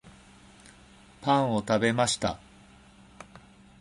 パンを食べました